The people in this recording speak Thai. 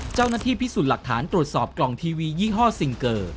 เจ้าหน้าที่พิสูจน์หลักฐานตรวจสอบกล่องทีวียี่ห้อซิงเกอร์